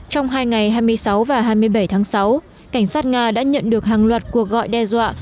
trong hai ngày hai mươi sáu và hai mươi bảy tháng sáu cảnh sát nga đã nhận được hàng loạt cuộc gọi đe dọa